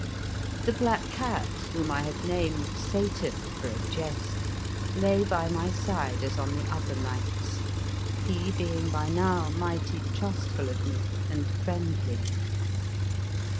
The black cat, whom I had named Satan for a jest, lay by my side as on the other nights, he being by now mighty trustful of me and friend ly.